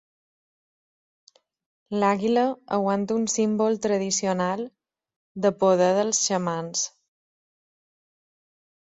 L'àguila aguanta un símbol tradicional de poder dels xamans.